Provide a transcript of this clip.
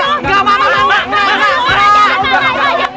enggak mak mak mak mak